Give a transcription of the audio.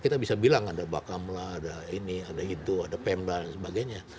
kita bisa bilang ada bakamla ada ini ada itu ada pemda dan sebagainya